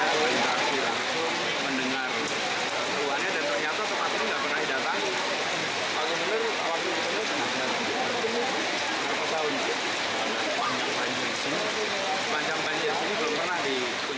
banjir banjir ini belum pernah dikunjungi